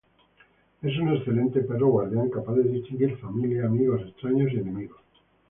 Es un excelente perro guardián, capaz de distinguir familia, amigos, extraños y enemigos.